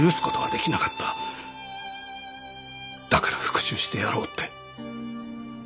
だから復讐してやろうって。